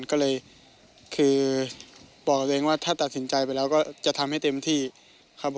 ก็เลยคือบอกตัวเองว่าถ้าตัดสินใจไปแล้วก็จะทำให้เต็มที่ครับผม